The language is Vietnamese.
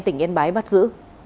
tỉnh yên bái bắt giữ